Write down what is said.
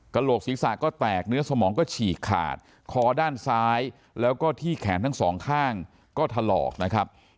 โหลกศีรษะก็แตกเนื้อสมองก็ฉีกขาดคอด้านซ้ายแล้วก็ที่แขนทั้งสองข้างก็ถลอกนะครับ